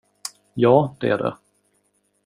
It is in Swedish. Ja, det är det.